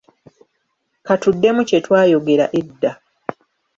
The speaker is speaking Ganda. Ka tuddemu kye twayogera edda.